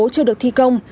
chưa được thi công